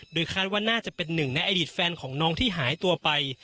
โดยคาดว่าน่าจะเป็นหนึ่งในอดีตแฟนของน้องที่หายตัวไป